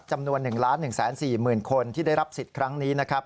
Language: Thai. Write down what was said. จำนวน๑๑๔๐๐๐คนที่ได้รับสิทธิ์ครั้งนี้นะครับ